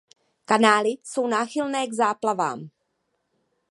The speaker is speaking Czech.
Kanály jsou náchylné k záplavám.